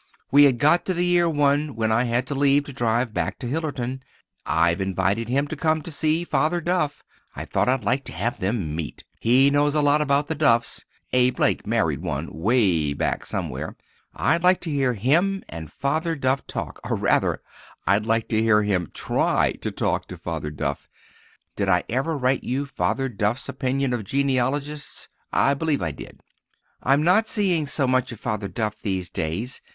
We had got to the year one when I had to leave to drive back to Hillerton. I've invited him to come to see Father Duff. I thought I'd like to have them meet. He knows a lot about the Duffs—a Blake married one, 'way back somewhere. I'd like to hear him and Father Duff talk—or, rather, I'd like to hear him try to talk to Father Duff. Did I ever write you Father Duff's opinion of genealogists? I believe I did. I'm not seeing so much of Father Duff these days.